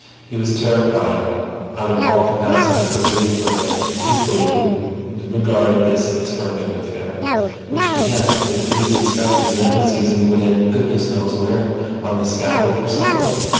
He was terrified out of all capacity for belief or disbelief in regard of this extraordinary affair, which began with police inspectors and Embassies and would end goodness knows where—on the scaffold for someone.